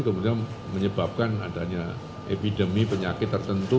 kemudian menyebabkan adanya epidemi penyakit tertentu